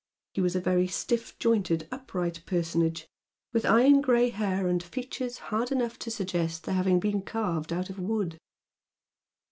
He was a very stiff jointed upright personage with iron grey hair and features hard enough to suggest their having been carved out of wood.